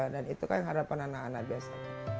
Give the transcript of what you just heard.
dan itu kan harapan anak anak biasa